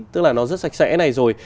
tức là nó rất sạch sẽ này rồi